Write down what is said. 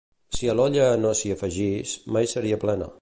Si a l'olla no s'hi afegís, mai seria plena.